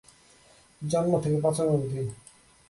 জন্ম থেকে পঁচন অবধি।